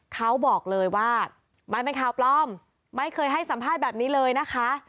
เขาบอกเลยว่ามันเป็นข่าวปลอมไม่เคยให้สัมภาษณ์แบบนี้เลยนะคะ